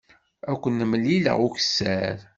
Ad ken-mlileɣ ukessar.